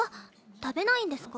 食べないんですか？